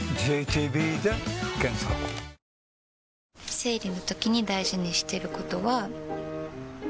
生理のときに大事にしてることは。